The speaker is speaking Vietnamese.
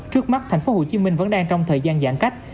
trước mắt thành phố hồ chí minh vẫn đang trong thời gian giãn cách